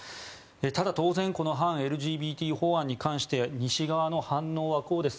ただ当然反ＬＧＢＴ法案に対して西側の反応はこうです。